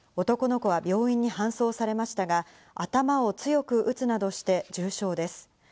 男の子は病院に搬送されましたが、頭を強く打つなどして重傷です。